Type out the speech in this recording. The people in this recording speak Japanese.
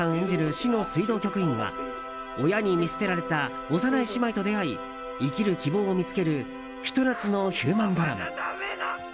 市の水道局員が親に見捨てられた幼い姉妹と出会い生きる希望を見つけるひと夏のヒューマンドラマ。